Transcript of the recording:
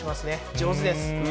上手です。